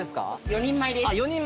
４人前です。